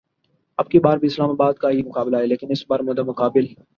اب کی بار بھی اسلام آباد کا ہی مقابلہ ہے لیکن اس بار مدمقابل